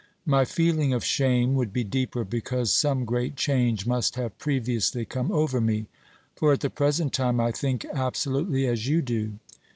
My feeling of shame would be deeper because some great change must have previously come over me, for at the present time I think absolutely as you do.